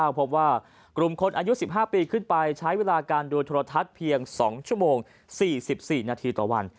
พบว่ากลุ่มคนอายุ๑๕ปีขึ้นไปใช้เวลาการดูโทรทัศน์เพียง๒ชั่วโมง๔๔นาทีต่อวัน